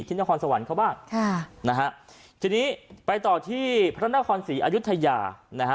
นครสวรรค์เขาบ้างค่ะนะฮะทีนี้ไปต่อที่พระนครศรีอายุทยานะฮะ